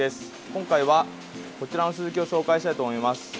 今回はこちらのスズキを紹介したいと思います。